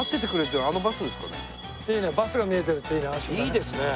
いいですね。